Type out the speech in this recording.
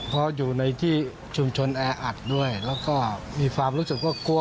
เพราะอยู่ในที่ชุมชนแออัดด้วยแล้วก็มีความรู้สึกว่ากลัว